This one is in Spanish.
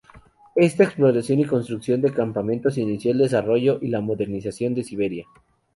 Esta exploración y construcción de campamentos inició el desarrollo y la modernización de Siberia.